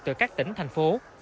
từ các tỉnh thành phố